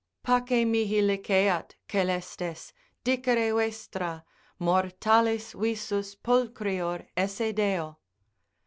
Pace mihi liceat (Coelestes) dicere vestra, Mortalis visus pulchrior esse Deo.